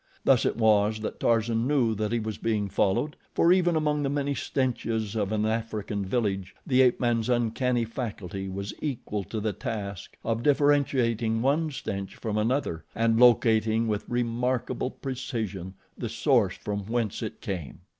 Thus it was that Tarzan knew that he was being followed, for even among the many stenches of an African village, the ape man's uncanny faculty was equal to the task of differentiating one stench from another and locating with remarkable precision the source from whence it came.